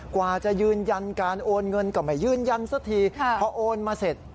กว่าจะยืนยันการโอนเงินก็ไม่ยืนยันสักทีพอโอนมาเสร็จ